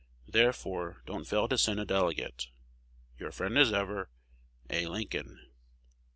Therefore don't fail to send a delegate. Your friend as ever, A. Lincoln.